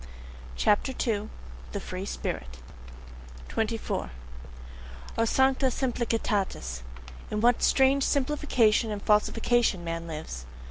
CHAPTER II. THE FREE SPIRIT 24. O sancta simplicitas! In what strange simplification and falsification man lives!